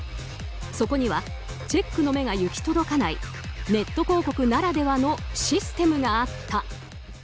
そこにはチェックの目が行き届かないネット広告ならではのシステムがあった。